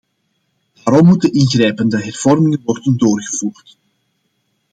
Daarom moeten ingrijpende hervormingen worden doorgevoerd.